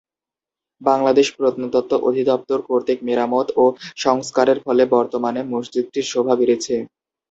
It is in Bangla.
বাংলাদেশ প্রত্নতত্ত্ব অধিদপ্তর কর্তৃক মেরামত ও সংস্কারের ফলে বর্তমানে মসজিদটির শোভা বেড়েছে।